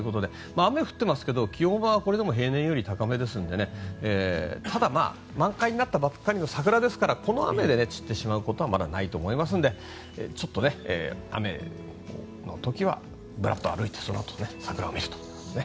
雨降っていますけど気温は平年より高めなのでただ、満開になったばかりの桜ですからこの雨で散ってしまうことはまだないと思いますので雨の時はぶらっと歩いてそのあと桜を見ると。